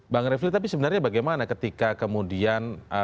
bang refli tapi sebenarnya bagaimana ketika kemudian